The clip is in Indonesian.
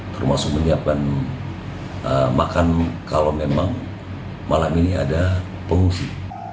termasuk menyiapkan makan kalau memang malam ini ada pengungsi